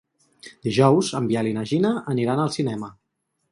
Dijous en Biel i na Gina aniran al cinema.